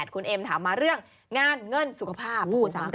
คุณเอ็มถามมาเรื่องงานเงินสุขภาพ